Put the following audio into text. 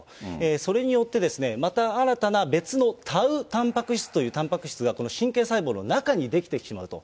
それによって、また新たな別のタウたんぱく質というたんぱく質が、この神経細胞の中に出来てしまうと。